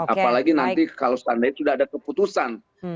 apalagi nanti kalau standar itu sudah ada keputusan